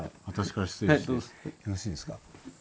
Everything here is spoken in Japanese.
よろしいですか。